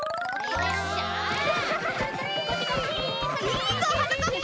いいぞはなかっぱ！